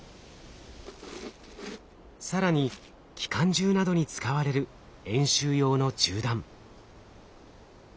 更に機関銃などに使われる演習用の銃弾。